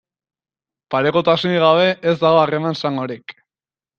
Parekotasunik gabe ez dago harreman sanorik.